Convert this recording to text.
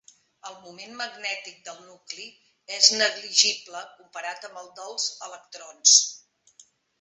El moment magnètic del nucli és negligible comparat amb el dels electrons.